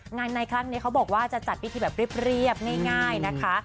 ในครั้งนี้เขาบอกว่าจะจัดพิธีแบบเรียบง่ายนะคะ